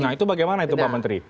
nah itu bagaimana itu pak menteri